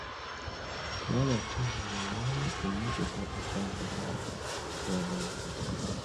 Nnaabakyala yawaayo emmotoka etambuza abalwadde.